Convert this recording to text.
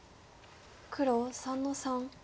黒３の三。